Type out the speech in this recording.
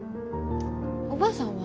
おばあさんは？